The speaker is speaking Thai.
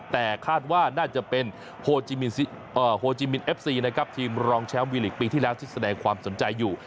แต่คาดว่าน่าจะเป็นโฮจิมินเอฟซีนะครับทีมรองแชมป์วีลีกปีที่แล้วที่แสดงความสนใจอยู่